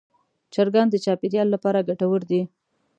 چرګان د چاپېریال لپاره ګټور دي.